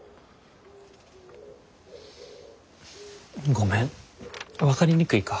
ごめん分かりにくいか。